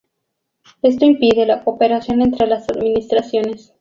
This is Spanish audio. Esto impide la cooperación entre las administraciones